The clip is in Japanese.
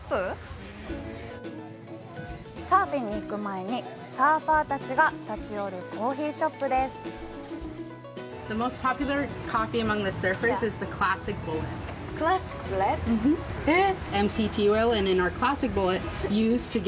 サーフィンに行く前にサーファーたちが立ち寄るコーヒーショップですえっ？